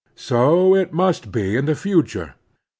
So it must be in the future.